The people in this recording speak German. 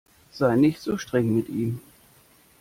Sei nicht so streng mit ihm!